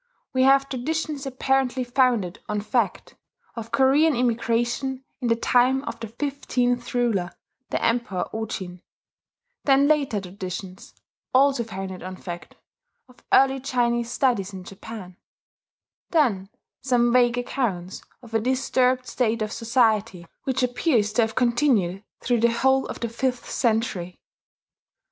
We have traditions apparently founded on fact, of Korean immigration in the time of the fifteenth ruler, the Emperor Ojin; then later traditions, also founded on fact, of early Chinese studies in Japan; then some vague accounts of a disturbed state of society, which appears to have continued through the whole of the fifth century.